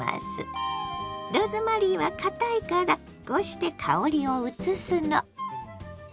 ローズマリーはかたいからこうして香りをうつすの。